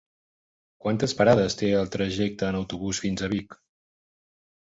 Quantes parades té el trajecte en autobús fins a Vic?